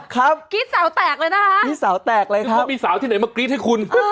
ครับมีสาวแตกเลยครับคุณจูนไม่มีสาวที่ไหนมากรี๊ดให้คุณ